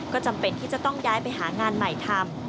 ก็จำเป็นที่จะต้องย้ายไปหางานใหม่ทำ